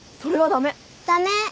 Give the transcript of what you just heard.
駄目！